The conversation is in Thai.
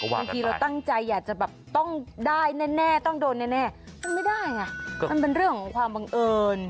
บางทีเราตั้งใจอยากจะแบบต้องได้แน่ต้องโดนแน่มันไม่ได้ไงมันเป็นเรื่องของความบังเอิญ